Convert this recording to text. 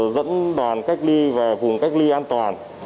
dẫn đoàn cách ly về vùng cách ly an toàn